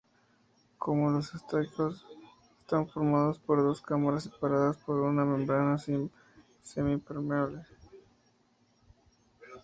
Como los estáticos, están formados por dos cámaras separadas por una membrana semipermeable.